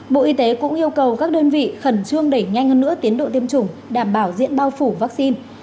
bộ y tế cũng yêu cầu các đơn vị khẩn trương đẩy nhanh hơn nữa tiến độ tiêm chủng đảm bảo diện bao phủ vaccine